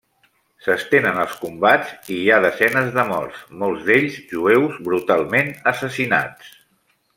S'estenen els combats i hi ha desenes de morts, molts d'ells jueus brutalment assassinats.